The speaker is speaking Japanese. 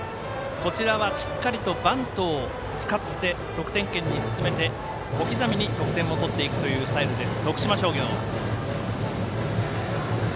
こちらはしっかりとバントを使って得点圏に進めて、小刻みに得点を取っていくスタイルです。